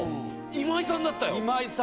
今井さんだった。